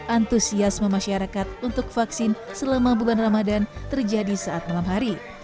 antusiasme masyarakat untuk vaksin selama bulan ramadan terjadi saat malam hari